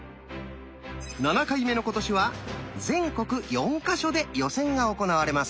７回目の今年は全国４か所で予選が行われます。